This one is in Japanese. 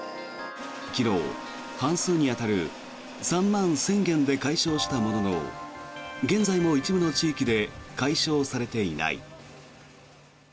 昨日、半数に当たる３万１０００軒で解消したものの現在も一部の地域で解消されていない。